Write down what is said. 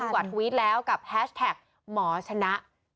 กว่าทวิตแล้วกับแฮชแท็กหมอชนะ